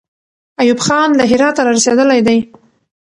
ایوب خان له هراته را رسېدلی دی.